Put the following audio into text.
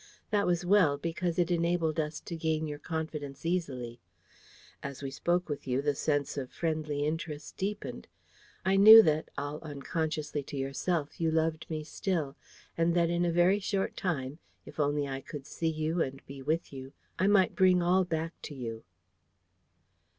That was well, because it enabled us to gain your confidence easily. As we spoke with you, the sense of friendly interest deepened. I knew that, all unconsciously to yourself, you loved me still, and that in a very short time, if only I could see you and be with you, I might bring all back to you."